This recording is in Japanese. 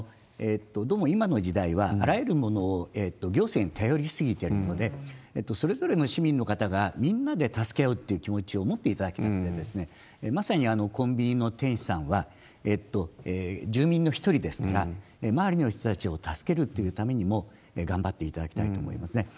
どうも今の時代は、あらゆるものを行政に頼り過ぎてるので、それぞれの市民の方が、みんなで助け合うって気持ちを持っていただきたくて、まさにコンビニの店主さんは住民の一人ですから、周りの人たちを助けるっていうためにも、頑張っていただきたいと思いますね。